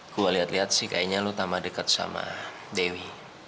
gue lihat lihat sih kayaknya lu tama dekat sama dewi